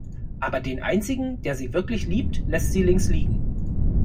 Aber den einzigen, der sie wirklich liebt, lässt sie links liegen.